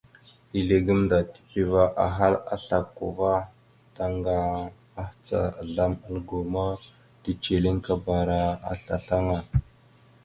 Izle gamnda tipiva ahal a slako ava, taŋga mahəca azlam algo ma, teceliŋ akabara aslasl aŋa.